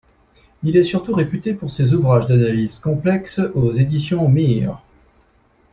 Il est surtout réputé pour ses ouvrages d'analyse complexe aux Éditions Mir.